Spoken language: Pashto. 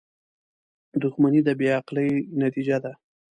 • دښمني د بې عقلۍ نتیجه ده.